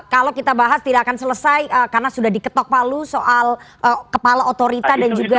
kalau kita bahas tidak akan selesai karena sudah diketok palu soal kepala otorita dan juga